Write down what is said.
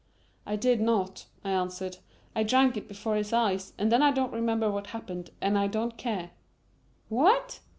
"I did not," I answered. "I drank it before his eyes, and then I don't remember what happened and I don't care." "What?"